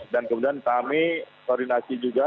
dan kemudian kami koordinasi juga